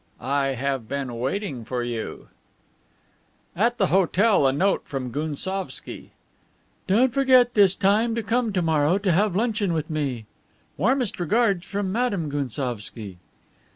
XV. "I HAVE BEEN WAITING FOR YOU" At the hotel a note from Gounsovski: "Don't forget this time to come to morrow to have luncheon with me. Warmest regards from Madame Gounsovski."